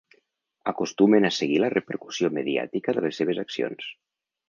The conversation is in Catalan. Acostumen a seguir la repercussió mediàtica de les seves accions.